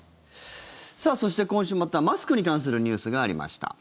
さあ、そして今週またマスクに関するニュースがありました。